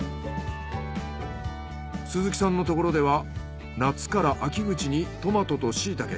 鈴木さんのところでは夏から秋口にトマトとシイタケ。